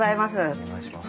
お願いします。